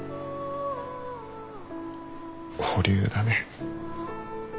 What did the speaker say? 保留だね。